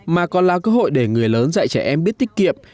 mà còn là cơ hội để người lớn dạy trẻ em biết tiết kiệm